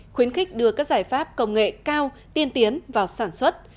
khuyến khích đưa các giải pháp công nghệ cao tiên tiến vào sản xuất